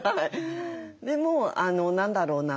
でも何だろうな